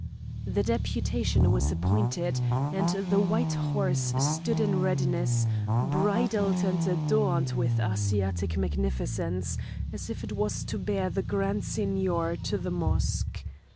The deputation was appointed, and the white horse stood in readiness, bridled and adorned with Asiatic magnificence, as if it was to bear the Grand Seignior to the mosque.